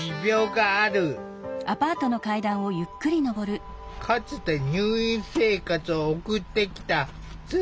かつて入院生活を送ってきた津坂さん。